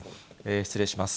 失礼します。